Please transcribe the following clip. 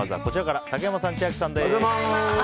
竹山さん、千秋さんです。